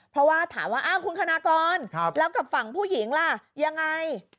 เพราะว่าถามว่าคุณคณากรแล้วกับฝั่งผู้หญิงล่ะยังไง